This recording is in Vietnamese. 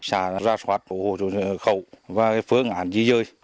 sả ra soát hộ hộ chỗ này khẩu và phương ảnh di dơi